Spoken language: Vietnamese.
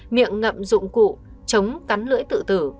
miệng ngậm dụng cụ chống cắn lưỡi tự tử